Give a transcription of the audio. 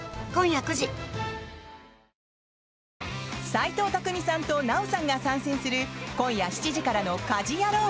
斎藤工さんと奈緒さんが参戦する今夜７時からの「家事ヤロウ！！！」